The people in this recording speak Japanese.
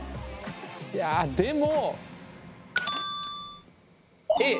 いやでも。